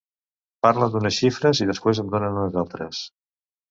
Parlen d’unes xifres i després en donen unes altres.